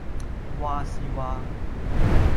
話時話